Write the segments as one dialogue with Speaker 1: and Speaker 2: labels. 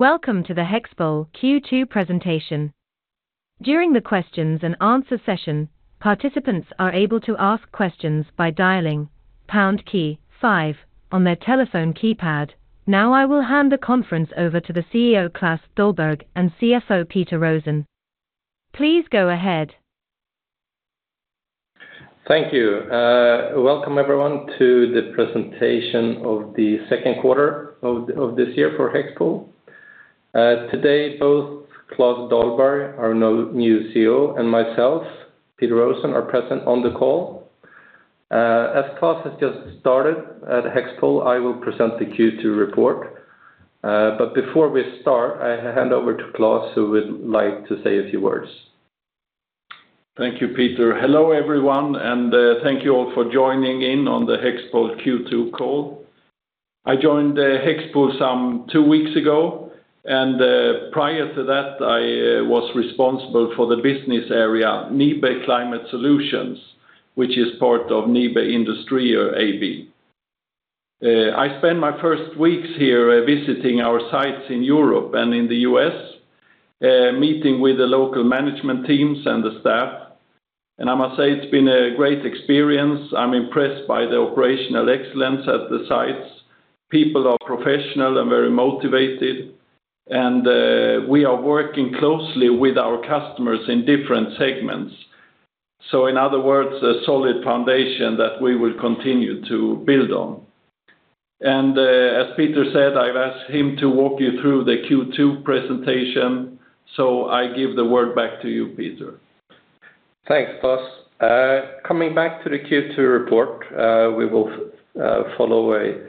Speaker 1: Welcome to the HEXPOL Q2 presentation. During the questions-and-answers session, participants are able to ask questions by dialing pound key, five on their telephone keypad. Now, I will hand the conference over to the CEO, Klas Dahlberg and CFO, Peter Rosén. Please go ahead.
Speaker 2: Thank you. Welcome everyone to the Presentation of the Second Quarter of this year for HEXPOL. Today, both Klas Dahlberg, our new CEO, and myself, Peter Rosén are present on the call. As Klas has just started at HEXPOL, I will present the Q2 report. Before we start, I hand over to Klas who would like to say a few words.
Speaker 3: Thank you, Peter. Hello, everyone, and thank you all for joining in on the HEXPOL Q2 call. I joined HEXPOL some two weeks ago. Prior to that, I was responsible for the business area, NIBE Climate Solutions, which is part of NIBE Industrier AB. I spent my first weeks here, visiting our sites in Europe and in the U.S., meeting with the local management teams and the staff. I must say it's been a great experience. I'm impressed by the operational excellence at the sites. People are professional and very motivated, and we are working closely with our customers in different segments. In other words, a solid foundation that we will continue to build on. As Peter said, I've asked him to walk you through the Q2 presentation, so I give the word back to you, Peter.
Speaker 2: Thanks, Klas. Coming back to the Q2 report, we will follow a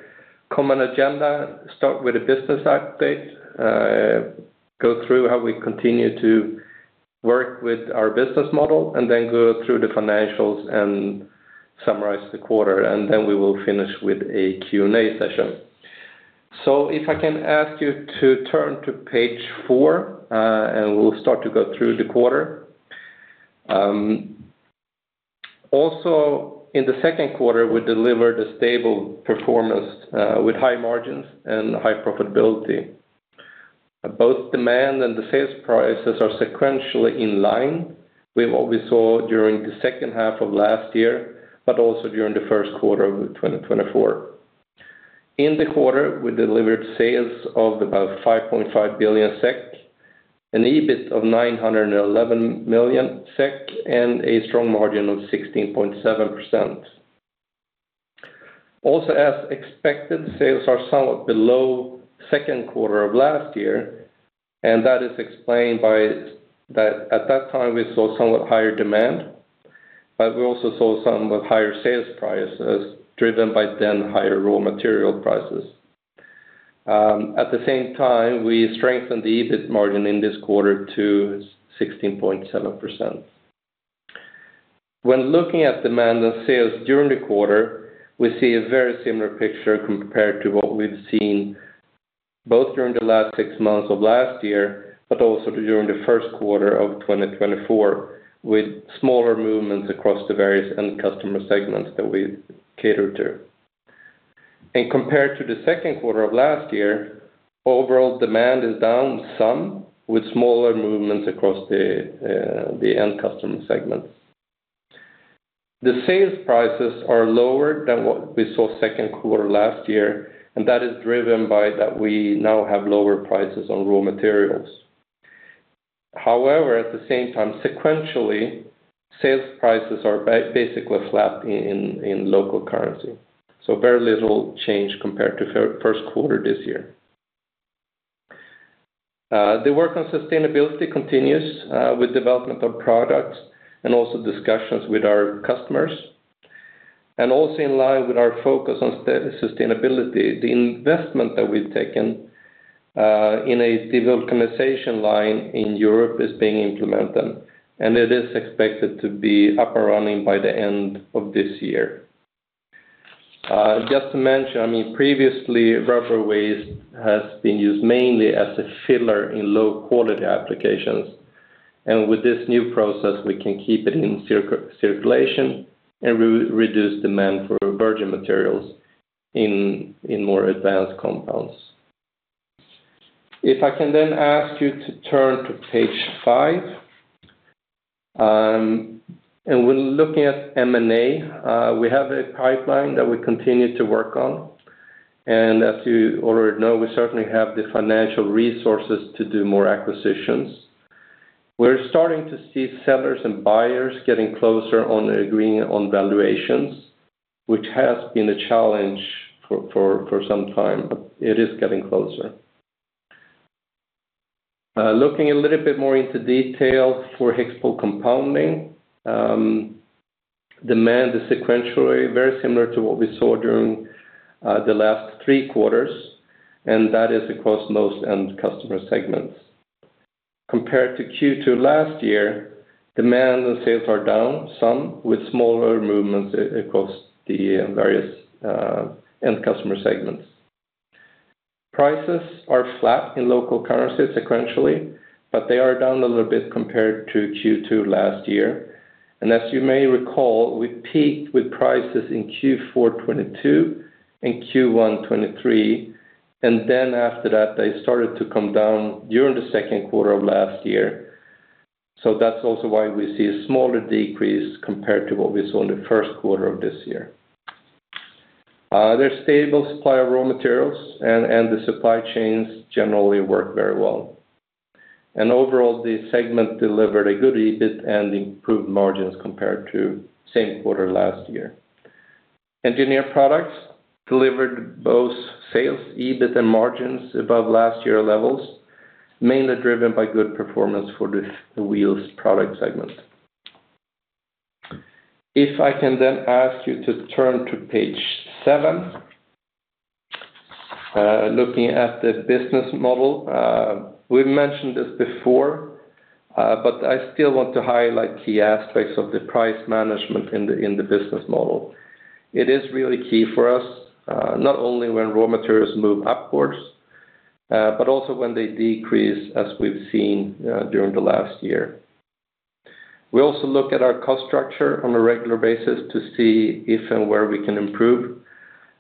Speaker 2: common agenda. Start with a business update, go through how we continue to work with our business model, and then go through the financials and summarize the quarter, and then we will finish with a Q&A session. If I can ask you to turn to page four, and we'll start to go through the quarter. Also, in the second quarter, we delivered a stable performance with high margins and high profitability. Both demand and the sales prices are sequentially in line with what we saw during the second half of last year, but also during the first quarter of 2024. In the quarter, we delivered sales of about 5.5 billion SEK, an EBIT of 911 million SEK and a strong margin of 16.7%. Also, as expected, sales are somewhat below second quarter of last year, and that is explained by, at that time, we saw somewhat higher demand, but we also saw somewhat higher sales prices, driven by then higher raw material prices. At the same time, we strengthened the EBIT margin in this quarter to 16.7%. When looking at demand and sales during the quarter, we see a very similar picture compared to what we've seen both during the last six months of last year, but also during the first quarter of 2024, with smaller movements across the various end customer segments that we cater to. Compared to the second quarter of last year, overall demand is down some, with smaller movements across the end customer segments. The sales prices are lower than what we saw second quarter last year, and that is driven by, that we now have lower prices on raw materials. However, at the same time, sequentially sales prices are basically flat in local currency, so very little change compared to first quarter this year. The work on sustainability continues, with development of products, and also discussions with our customers. Also, in line with our focus on sustainability, the investment that we've taken in a de-vulcanization line in Europe is being implemented. It is expected to be up and running by the end of this year. Just to mention, I mean, previously rubber waste has been used mainly as a filler in low-quality applications. With this new process, we can keep it in circulation and reduce demand for virgin materials in more advanced compounds. If I can then ask you to turn to page five, and we're looking at M&A. We have a pipeline that we continue to work on. As you already know, we certainly have the financial resources to do more acquisitions. We're starting to see sellers and buyers getting closer on agreeing on valuations, which has been a challenge for some time, but it is getting closer. Looking a little bit more into detail for HEXPOL Compounding, demand is sequentially very similar to what we saw during the last three quarters. That is across most end customer segments. Compared to Q2 last year, demand and sales are down some, with smaller movements across the various end customer segments. Prices are flat in local currency sequentially, but they are down a little bit compared to Q2 last year. As you may recall, we peaked with prices in Q4 2022 and Q1 2023. Then after that, they started to come down during the second quarter of last year. That's also why we see a smaller decrease compared to what we saw in the first quarter of this year. There's stable supply of raw materials, and the supply chains generally work very well. Overall, the segment delivered a good EBIT, and improved margins compared to same quarter last year. Engineered products delivered both sales, EBIT, and margins above last year levels, mainly driven by good performance for the wheels product segment. If I can then ask you to turn to page seven, looking at the business model. We've mentioned this before, but I still want to highlight key aspects of the price management in the business model. It is really key for us, not only when raw materials move upwards, but also when they decrease as we've seen during the last year. We also look at our cost structure on a regular basis to see if and where we can improve,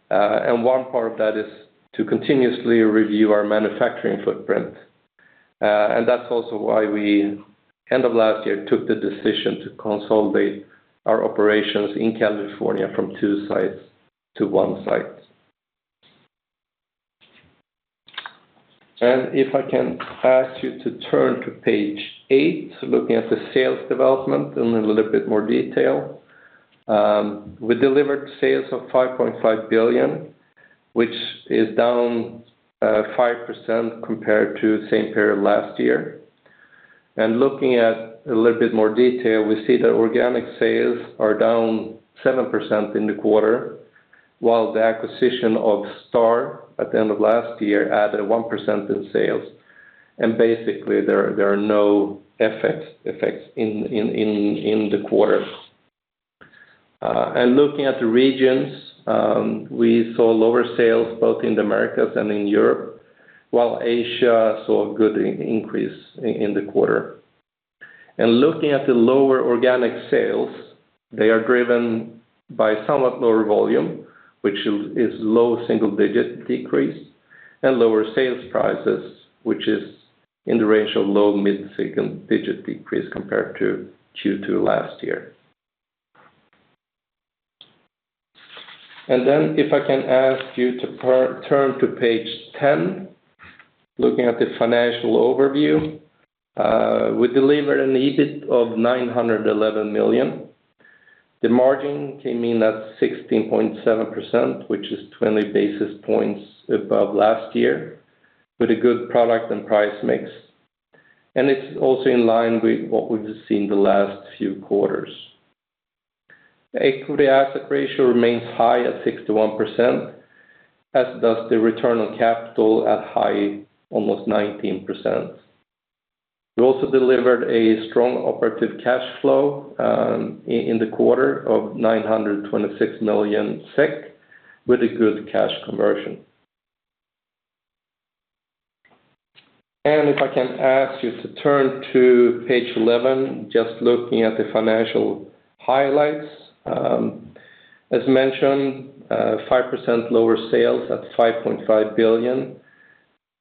Speaker 2: and one part of that is to continuously review our manufacturing footprint. That's also why we, end of last year, took the decision to consolidate our operations in California from two sites to one site. If I can ask you to turn to page eight, looking at the sales development in a little bit more detail. We delivered sales of 5.5 billion, which is down 5% compared to same period last year. Looking at a little bit more detail, we see that organic sales are down 7% in the quarter, while the acquisition of Star at the end of last year added 1% in sales. Basically, there are no effects in the quarter. Looking at the regions, we saw lower sales both in the Americas and in Europe, while Asia saw a good increase in the quarter. Looking at the lower organic sales, they are driven by somewhat lower volume, which is low single-digit decrease and lower sales prices, which is in the range of low mid-second digit decrease compared to Q2 last year. Then if I can ask you to turn to page 10, looking at the financial overview, we delivered an EBIT of 911 million. The margin came in at 16.7%, which is 20 basis points above last year, with a good product and price mix. It's also in line with what we've seen the last few quarters. Equity asset ratio remains high at 61%, as does the return on capital at high, almost 19%. We also delivered a strong operative cash flow in the quarter of 926 million SEK, with a good cash conversion. If I can ask you to turn to page 11, just looking at the financial highlights. As mentioned, 5% lower sales at 5.5 billion,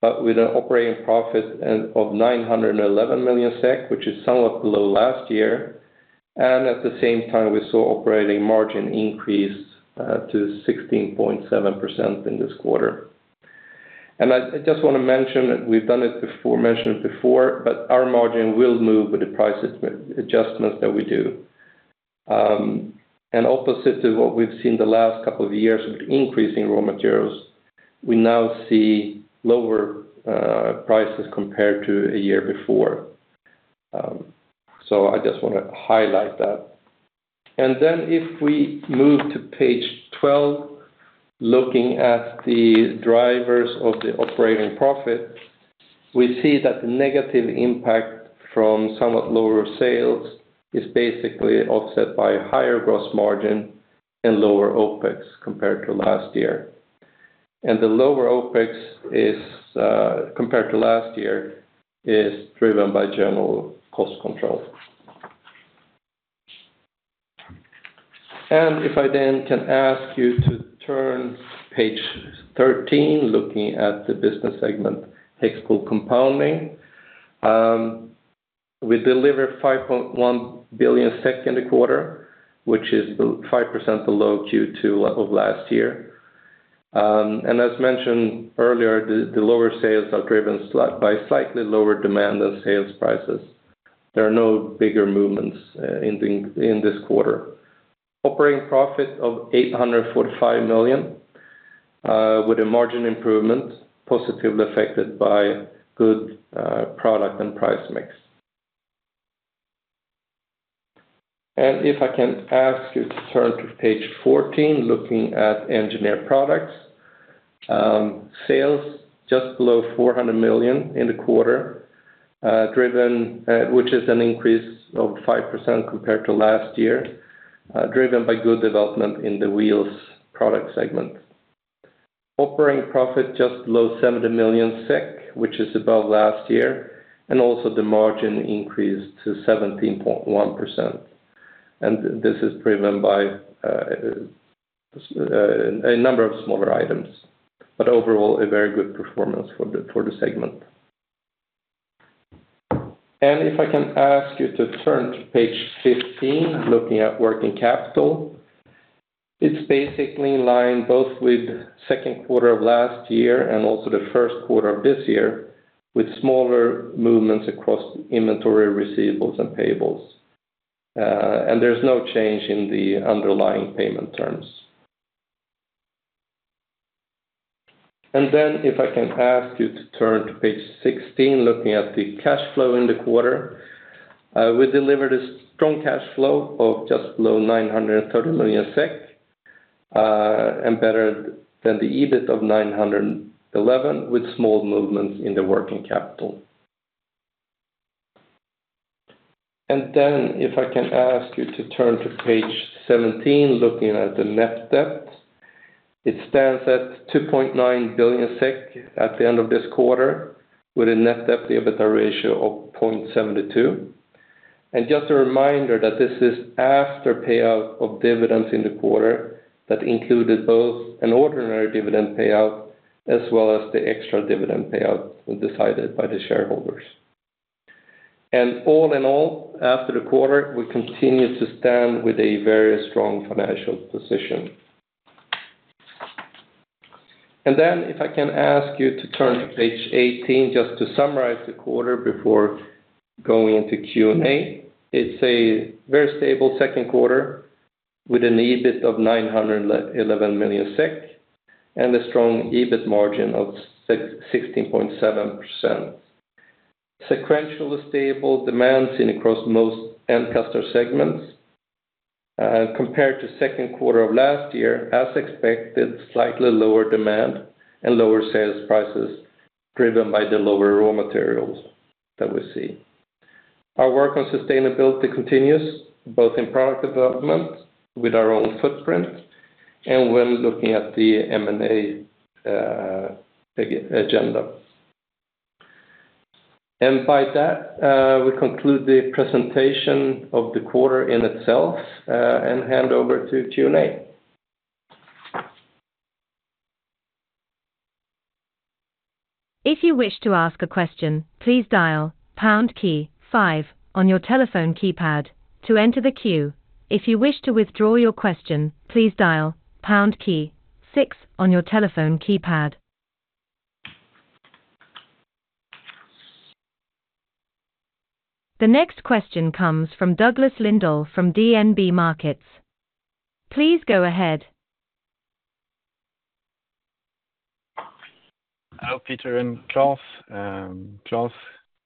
Speaker 2: but with an operating profit of 911 million SEK, which is somewhat below last year. At the same time, we saw operating margin increase to 16.7% in this quarter. I just want to mention, we've done it before, mentioned it before, but our margin will move with the prices adjustments that we do. Opposite to what we've seen the last couple of years with increasing raw materials, we now see lower prices compared to a year before. I just want to highlight that. If we move to page 12, looking at the drivers of the operating profit, we see that the negative impact from somewhat lower sales is basically offset by higher gross margin and lower OpEx compared to last year. The lower OpEx compared to last year is driven by general cost control. If I then can ask you to turn to page 13, looking at the business segment, HEXPOL Compounding. We delivered 5.1 billion in the quarter, which is 5% below Q2 level of last year. As mentioned earlier, the lower sales are driven by slightly lower demand than sales prices. There are no bigger movements in this quarter. Operating profit of 845 million, with a margin improvement, positively affected by good product and price mix. If I can ask you to turn to page 14, looking at engineered products. Sales just below 400 million in the quarter, which is an increase of 5% compared to last year, driven by good development in the wheels product segment. Operating profit just below 70 million SEK, which is above last year and also the margin increased to 17.1%. This is driven by a number of smaller items, but overall, a very good performance for the segment. If I can ask you to turn to page 15, looking at working capital, it's basically in line both with second quarter of last year and also the first quarter of this year, with smaller movements across inventory, receivables, and payables. There's no change in the underlying payment terms. Then if I can ask you to turn to page 16, looking at the cash flow in the quarter, we delivered a strong cash flow of just below 930 million SEK, and better than the EBIT of 911 million, with small movements in the working capital. Then if I can ask you to turn to page 17, looking at the net debt, it stands at 2.9 billion SEK at the end of this quarter, with a net debt to EBITDA ratio of 0.72. Just a reminder that this is after payout of dividends in the quarter, that included both an ordinary dividend payout as well as the extra dividend payout decided by the shareholders. All in all, after the quarter, we continue to stand with a very strong financial position. Then, if I can ask you to turn to page 18, just to summarize the quarter before going into Q&A. It's a very stable second quarter, with an EBIT of 911 million SEK, and a strong EBIT margin of 16.7%. Sequentially stable demand seen across most end customer segments, compared to second quarter of last year as expected, slightly lower demand and lower sales prices, driven by the lower raw materials that we see. Our work on sustainability continues, both in product development, with our own footprint and when looking at the M&A agenda. By that, we conclude the presentation of the quarter in itself, and hand over to Q&A.
Speaker 1: If you wish to ask a question, please dial pound key, five on your telephone keypad to enter the queue. If you wish to withdraw your question, please dial pound key, six on your telephone keypad. The next question comes from Douglas Lindahl from DNB Markets. Please go ahead.
Speaker 4: Hello, Peter and Klas. Klas,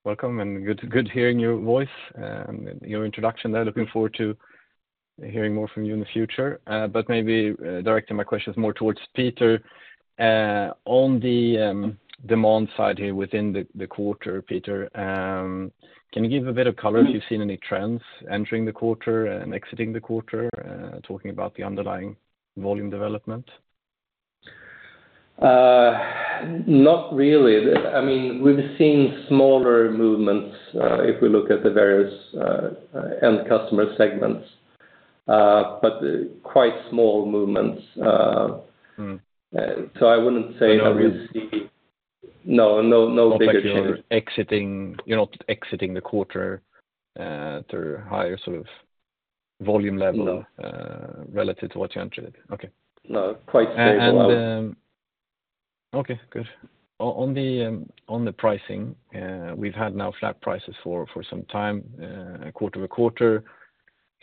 Speaker 4: welcome, and good hearing your voice and your introduction there. Looking forward to hearing more from you in the future. Maybe directing my questions more towards Peter. On the demand side here within the quarter, Peter, can you give a bit of color if you've seen any trends entering the quarter and exiting the quarter, talking about the underlying volume development?
Speaker 2: Not really. I mean, we've seen smaller movements, if we look at the various end customer segments, but quite small movements. I wouldn't say, that we see, no, no bigger changes.
Speaker 4: You're not exiting the quarter through higher sort of volume level relative to what you entered it. Okay.
Speaker 2: No, quite stable.
Speaker 4: Okay, good. On the pricing, we've had now flat prices for some time, quarter-over-quarter.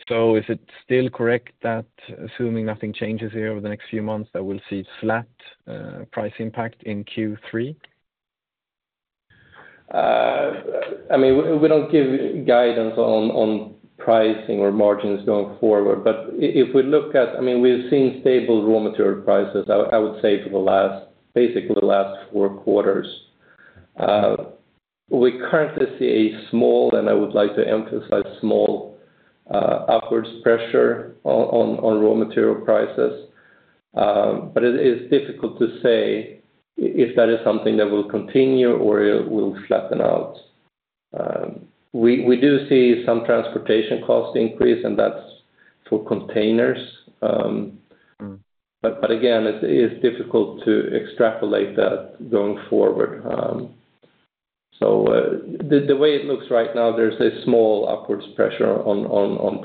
Speaker 4: Is it still correct that assuming nothing changes here over the next few months, that we'll see flat price impact in Q3?
Speaker 2: I mean, we don't give guidance on pricing or margins going forward. I mean, we've seen stable raw material prices, I would say for basically the last four quarters. We currently see a small, and I would like to emphasize, small, upwards pressure on raw material prices. It is difficult to say if that is something that will continue or it will flatten out. We do see some transportation cost increase, and that's for containers. Again, it is difficult to extrapolate that going forward. The way it looks right now, there's a small upwards pressure on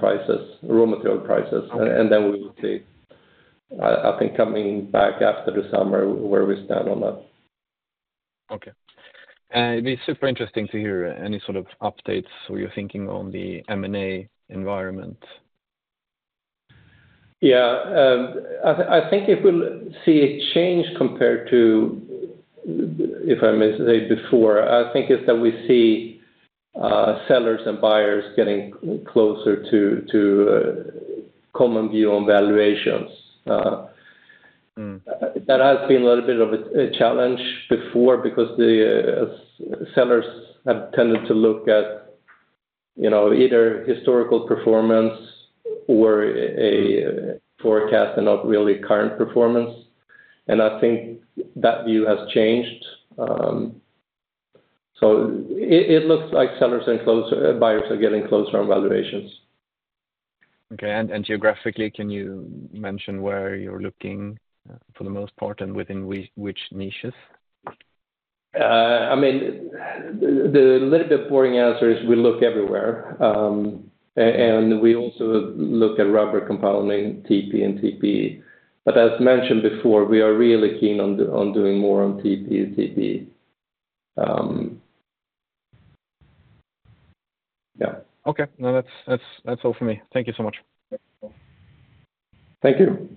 Speaker 2: raw material prices.
Speaker 4: Okay.
Speaker 2: Then we will see, I think, coming back after the summer, where we stand on that.
Speaker 4: Okay. It'd be super interesting to hear any sort of updates or your thinking on the M&A environment.
Speaker 2: Yeah, I think if I may say before, I think that we see sellers and buyers getting closer to a common view on valuations. That has been a little bit of a challenge before, because the sellers have tended to look at either historical performance or a forecast and not really current performance. I think that view has changed. It looks like sellers and buyers are getting closer on valuations.
Speaker 5: Okay. Geographically, can you mention where you're looking for the most part, and within which niches?
Speaker 2: I mean, the little bit boring answer is, we look everywhere. We also look at rubber compounding, TP and TPE. As mentioned before, we are really keen on doing more on TP and TPE, yeah.
Speaker 5: Okay. No, that's all for me. Thank you so much.
Speaker 2: Thank you.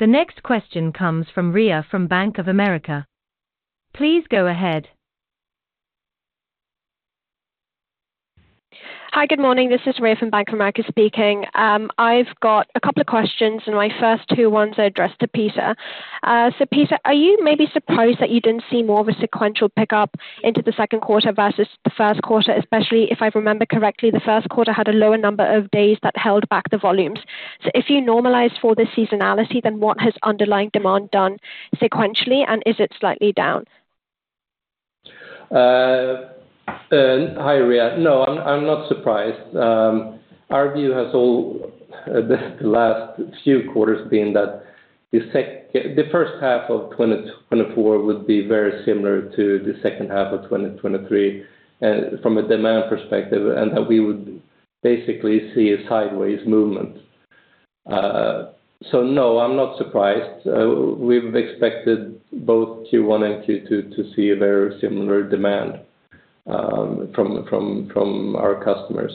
Speaker 1: The next question comes from Riya from Bank of America. Please go ahead.
Speaker 6: Hi, good morning. This is Riya from Bank of America speaking. I've got a couple of questions, and my first two ones are addressed to Peter. Peter, are you maybe surprised that you didn't see more of a sequential pickup into the second quarter versus the first quarter? Especially, if I remember correctly, the first quarter had a lower number of days that held back the volumes. If you normalize for the seasonality, then what has underlying demand done sequentially and is it slightly down?
Speaker 2: Hi, Riya. No, I'm not surprised. Our view has all the last few quarters been that the first half of 2024 would be very similar to the second half of 2023, from a demand perspective, and that we would basically see a sideways movement. No, I'm not surprised. We've expected both Q1 and Q2 to see a very similar demand from our customers.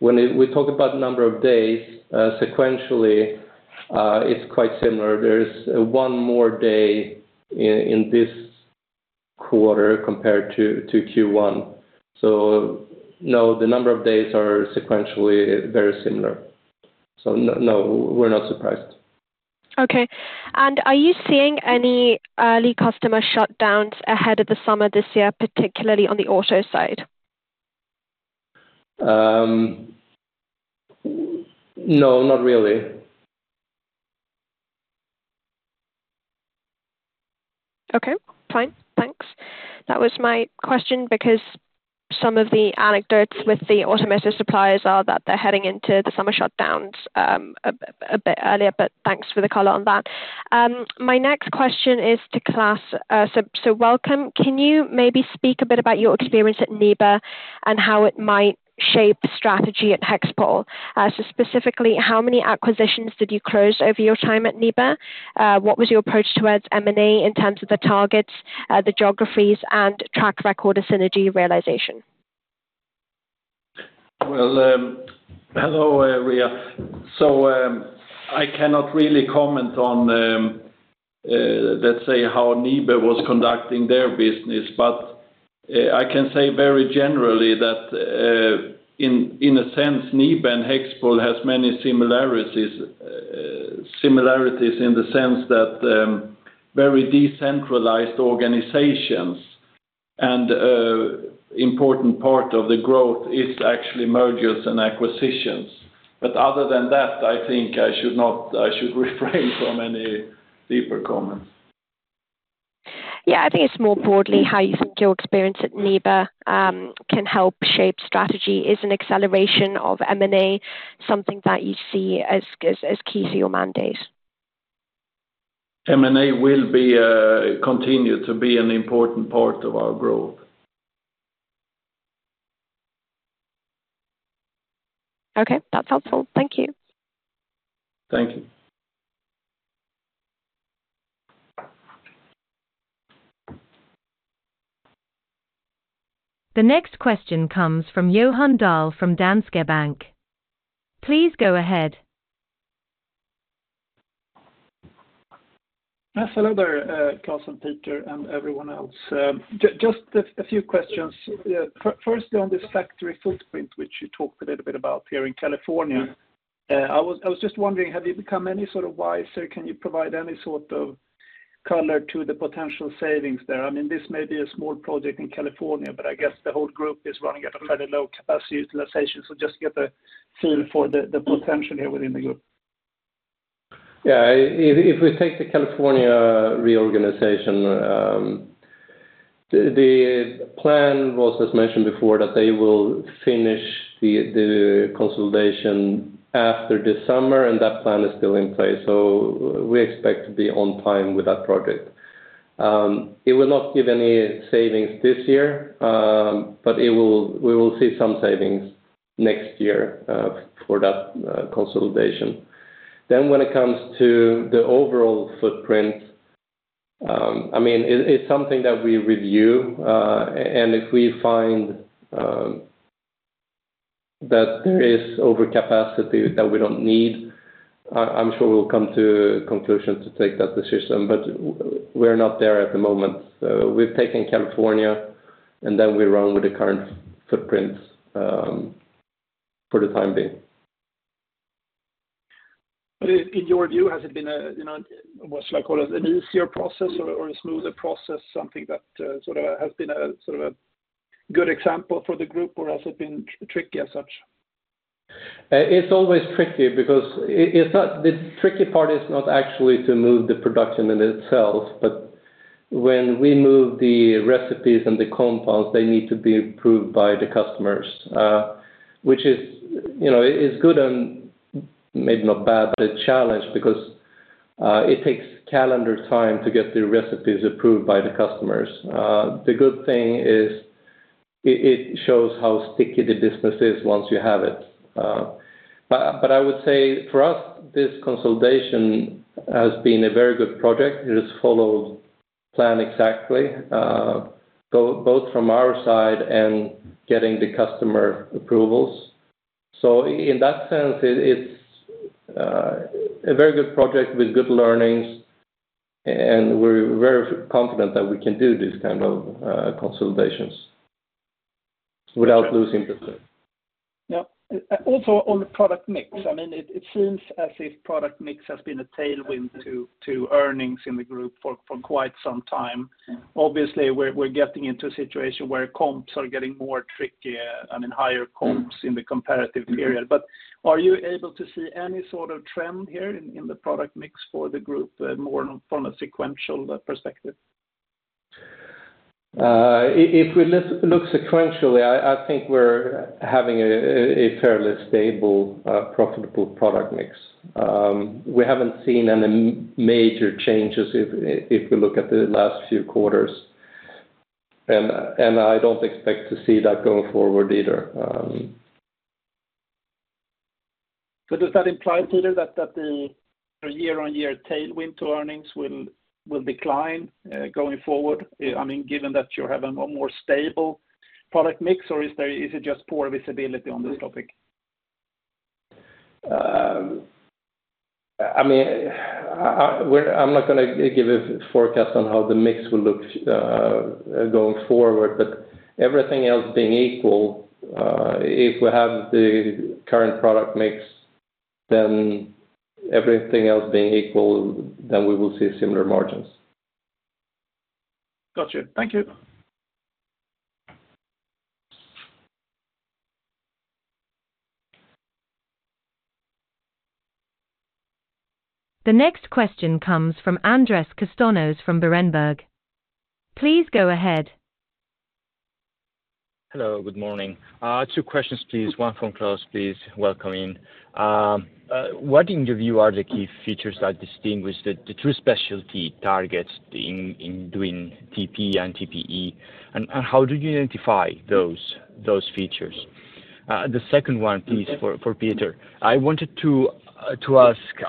Speaker 2: When we talk about number of days sequentially, it's quite similar. There's one more day in this quarter compared to Q1. No, the number of days are sequentially very similar. No, we're not surprised.
Speaker 6: Okay. Are you seeing any early customer shutdowns ahead of the summer this year, particularly on the auto side?
Speaker 2: No, not really.
Speaker 6: Okay, fine. Thanks. That was my question, because some of the anecdotes with the automotive suppliers are that they're heading into the summer shutdowns a bit earlier, but thanks for the color on that. My next question is to Klas, so welcome. Can you maybe speak a bit about your experience at NIBE, and how it might shape strategy at HEXPOL? Specifically, how many acquisitions did you close over your time at NIBE? What was your approach towards M&A in terms of the targets, the geographies, and track record of synergy realization?
Speaker 3: Well, hello, Riya. I cannot really comment on let's say how NIBE was conducting their business. I can say very generally that in a sense, NIBE and HEXPOL has many similarities in the sense that, very decentralized organizations and important part of the growth is actually mergers and acquisitions. Other than that, I think I should refrain from any deeper comments.
Speaker 6: Yeah, I think it's more broadly how you think your experience at NIBE can help shape strategy. Is an acceleration of M&A something that you see as key to your mandate?
Speaker 3: M&A will continue to be an important part of our growth.
Speaker 6: Okay, that's helpful. Thank you.
Speaker 3: Thank you.
Speaker 1: The next question comes from Johan Dahl, from Danske Bank. Please go ahead.
Speaker 5: Yes. Hello there, Klas and Peter and everyone else. Just a few questions. Firstly, on this factory footprint which you talked a little bit about here in California, I was just wondering, have you become any sort of wiser? Can you provide any sort of color to the potential savings there? I mean, this may be a small project in California, but I guess the whole group is running at a fairly low capacity utilization. Just to get a feel for the potential here within the group.
Speaker 2: Yeah. If we take the California reorganization, the plan was, as mentioned before, that they will finish the consolidation after the summer. That plan is still in place, so we expect to be on time with that project. It will not give any savings this year, but we will see some savings next year for that consolidation. Then when it comes to the overall footprint, I mean, it's something that we review. If we find that there is overcapacity that we don't need, I'm sure we'll come to a conclusion to take that decision, but we're not there at the moment. We've taken California, and then we run with the current footprint for the time being.
Speaker 5: In your view, has it been a, you know, what should I call it? An easier process or a smoother process, something that sort of has been a good example for the group, or has it been tricky as such?
Speaker 2: It's always tricky, because the tricky part is not actually to move the production in itself, but when we move the recipes and the compounds, they need to be approved by the customers. Which is, you know, it's good and maybe not bad, but a challenge because it takes calendar time to get the recipes approved by the customers. The good thing is it shows how sticky the business is once you have it. I would say for us, this consolidation has been a very good project. It has followed plan exactly, both from our side and getting the customer approvals. In that sense, it's a very good project with good learnings, and we're very confident that we can do this kind of consolidations without losing business.
Speaker 5: Yeah. Also, on the product mix, I mean, it seems as if product mix has been a tailwind to earnings in the group for quite some time. Obviously, we're getting into a situation where comps are getting more trickier, I mean, higher comps in the competitive period. Are you able to see any sort of trend here in the product mix for the group, more from a sequential perspective?
Speaker 2: If we look sequentially, I think we're having a fairly stable profitable product mix. We haven't seen any major changes if we look at the last few quarters, and I don't expect to see that going forward either.
Speaker 5: Does that imply, Peter, that the year-on-year tailwind to earnings will decline going forward? I mean, given that you have a more stable product mix, or is it just poor visibility on this topic?
Speaker 2: I mean, I'm not going to give a forecast on how the mix will look going forward, but everything else being equal, if we have the current product mix, then everything else being equal, then we will see similar margins.
Speaker 5: Got you. Thank you.
Speaker 1: The next question comes from Andrés Castaños from Berenberg. Please go ahead.
Speaker 7: Hello, good morning. Two questions, please. One from Klas, please. Welcome in. What, in your view, are the key features that distinguish the true specialty targets in doing TP and TPE, and how do you identify those features? The second one, please for Peter. I wanted to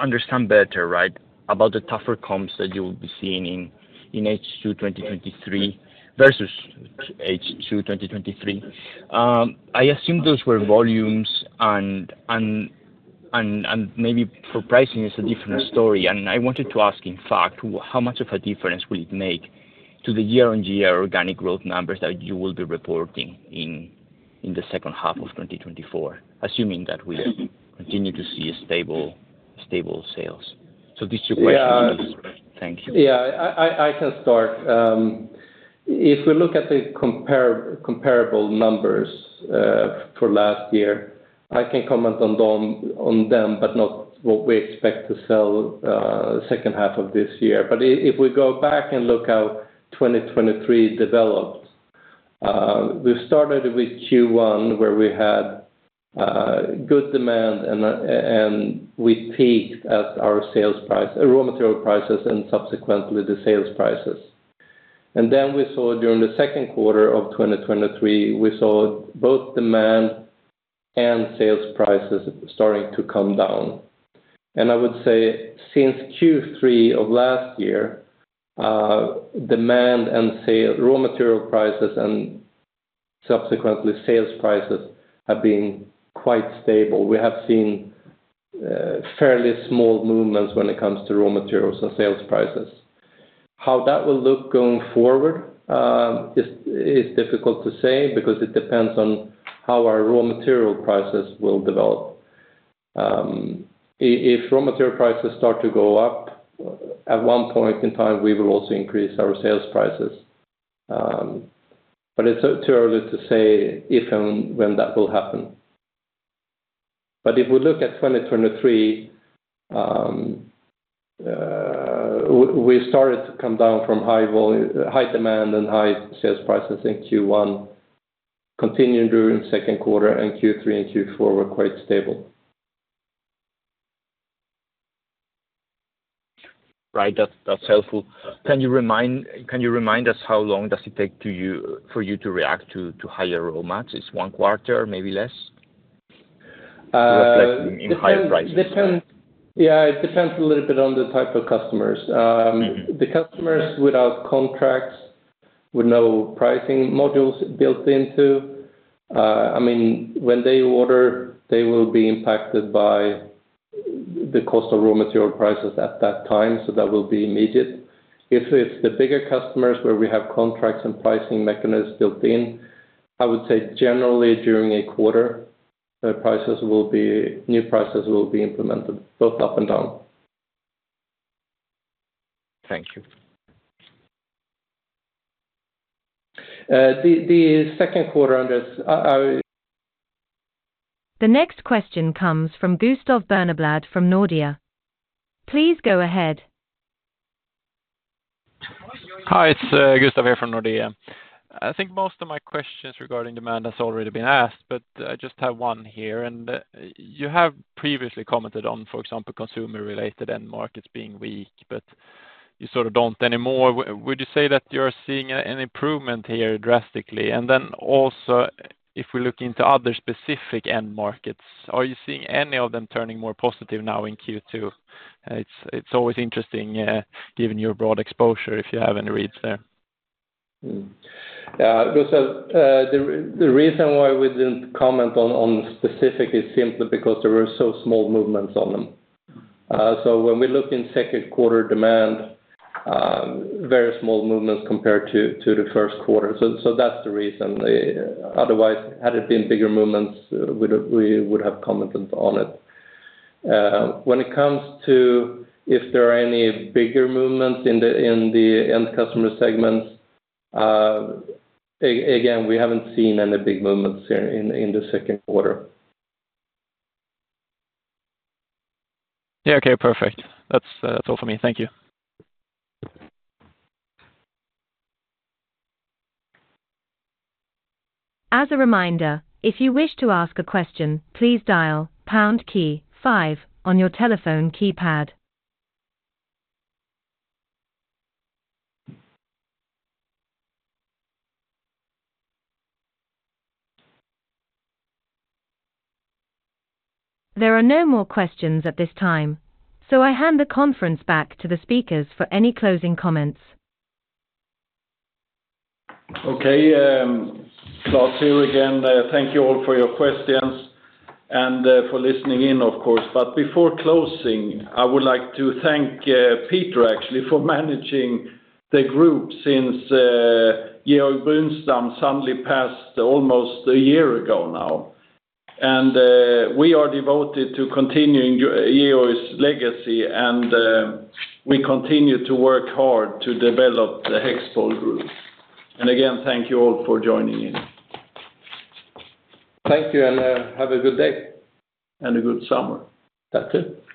Speaker 7: understand better, right, about the tougher comps that you will be seeing in H2 2023 versus H2 2023. I assume those were volumes and maybe for pricing, it's a different story. I wanted to ask in fact, how much of a difference will it make to the year-on-year organic growth numbers that you will be reporting in the second half of 2024, assuming that we'll continue to see stable sales? These are my two questions. Thank you.
Speaker 2: Yeah, I can start. If we look at the comparable numbers for last year, I can comment on them, but not what we expect to sell the second half of this year. If we go back and look how 2023 developed, we started with Q1, where we had good demand, and we peaked at our raw material prices and subsequently the sales prices. Then during the second quarter of 2023, we saw both demand and sales prices starting to come down. I would say since Q3 of last year, demand and sales, raw material prices and subsequently sales prices have been quite stable. We have seen fairly small movements when it comes to raw materials and sales prices. How that will look going forward is difficult to say because it depends on how our raw material prices will develop. If raw material prices start to go up, at one point in time, we will also increase our sales prices. It's too early to say if and when that will happen. If we look at 2023, we started to come down from high demand and high sales prices in Q1, continued during the second quarter, and Q3 and Q4 were quite stable.
Speaker 7: Right, that's helpful. Can you remind us, how long it takes for you to react to higher raw mats? It's one quarter, maybe less, reflecting in higher prices?
Speaker 2: Yeah, it depends a little bit on the type of customers. The customers without contracts, with no pricing modules built into, I mean, when they order, they will be impacted by the cost of raw material prices at that time, so that will be immediate. If it's the bigger customers, where we have contracts and pricing mechanisms built in, I would say generally during a quarter, new prices will be implemented both up and down.
Speaker 7: Thank you.
Speaker 2: The second quarter on this.
Speaker 1: The next question comes from Gustav Berneblad from Nordea. Please go ahead.
Speaker 8: Hi, it's Gustav here from Nordea. I think most of my questions regarding demand has already been asked, but I just have one here. You have previously commented on, for example, consumer-related end markets being weak, but you sort of don't anymore. Would you say that you're seeing an improvement here drastically? Then also, if we look into other specific end markets, are you seeing any of them turning more positive now in Q2? It's always interesting, given your broad exposure, if you have any reads there.
Speaker 2: Yeah, because the reason why we didn't comment on specific is simply because there were so small movements on them. When we look in second quarter demand, very small movements compared to the first quarter, so that's the reason. Otherwise, had it been bigger movements, we would have commented on it. When it comes to, if there are any bigger movements in the end customer segments again, we haven't seen any big movements here in the second quarter.
Speaker 8: Yeah. Okay, perfect. That's all for me. Thank you.
Speaker 1: As a reminder, if you wish to ask a question, please dial pound key, five on your telephone keypad. There are no more questions at this time, so I hand the conference back to the speakers for any closing comments.
Speaker 3: Okay, Klas here again. Thank you all for your questions and for listening in of course. Before closing, I would like to thank Peter actually for managing the group since Georg Brunstam suddenly passed almost a year ago now. We are devoted to continuing Georg's legacy, and we continue to work hard to develop the HEXPOL Group. Again, thank you all for joining in.
Speaker 2: Thank you, and have a good day.
Speaker 3: And a good summer. That's it.